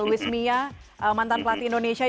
luis mia mantan pelatih indonesia